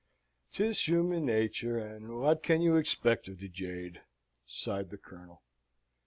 "'Tis human nature, and what can you expect of the jade?" sighed the Colonel.